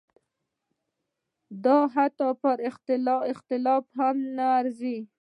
دا حتی پر اختلاف هم نه ارزي.